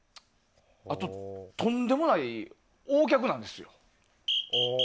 あと、とんでもないＯ脚なんですよ。